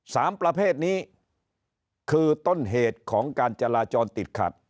สามประเภทนี้คือต้นเหตุของการจราจรติดขัด